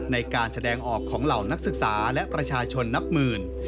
ในการแสดงออกของเหล่านักศึกษาและประชาชนนับหมื่น